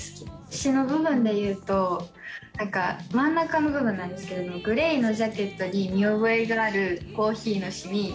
詞の部分でいうと、なんか、真ん中の部分なんですけど、グレイのジャケットに見覚えがあるコーヒーのしみ。